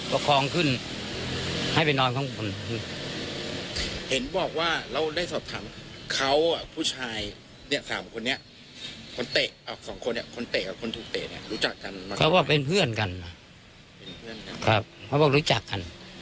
เพราะว่ารู้จักคน